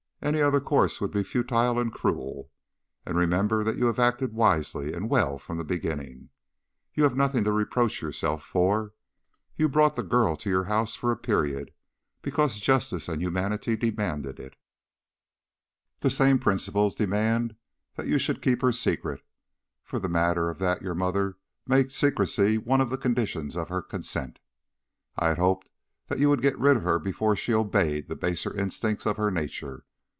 Any other course would be futile and cruel. And remember that you have acted wisely and well from the beginning. You have nothing to reproach yourself for. You brought the girl to your house for a period, because justice and humanity demanded it. The same principles demanded that you should keep her secret for the matter of that your mother made secrecy one of the conditions of her consent. I had hoped that you would get rid of her before she obeyed the baser instincts of her nature.